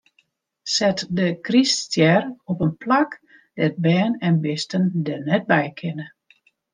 Set de kryststjer op in plak dêr't bern en bisten der net by kinne.